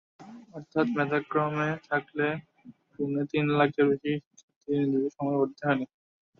অর্থাৎ মেধাক্রমে থাকলেও পৌনে তিন লাখের বেশি শিক্ষার্থী নির্ধারিত সময়ে ভর্তি হয়নি।